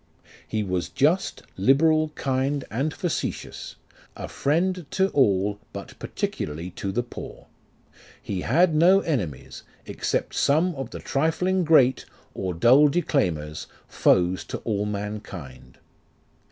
He was just, liberal, kind, and facetious ; A Mend to all, but particularly to the poor. He had no enemies, Except some of the trifling great, Or dull declaimers, foes to all mankind.